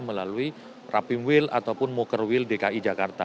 melalui rapimwil ataupun mokerwil dki jakarta